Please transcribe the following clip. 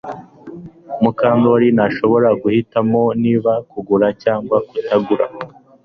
Mukandoli ntashobora guhitamo niba kugura cyangwa kutagura